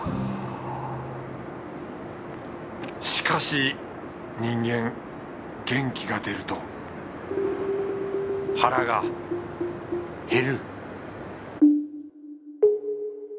しかし人間元気が出ると腹が減る